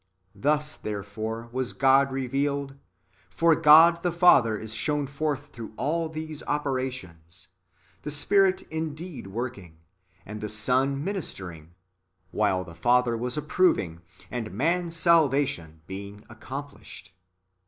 Thus, therefore, was God revealed ; for God the Father is shown forth through all these [operations], the Spirit indeed w^orking, and the Son ministering, while the Father was ap proving, and man's salvation being accomplished.